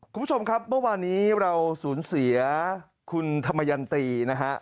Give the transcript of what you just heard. คุณผู้ชมครับเมื่อวานนี้เราสูญเสียคุณธรรมยันตีนะฮะ